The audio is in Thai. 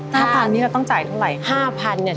๕๐๐๐ต้องจ่ายเท่าไหร่